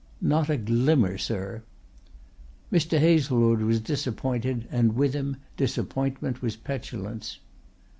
"Not a glimmer, sir." Mr. Hazlewood was disappointed and with him disappointment was petulance.